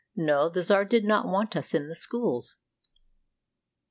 No, the czar did not want us in the schools.